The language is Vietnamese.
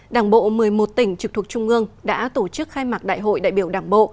đảng bộ một mươi một tỉnh trực thuộc trung ương đã tổ chức khai mạc đại hội đại biểu đảng bộ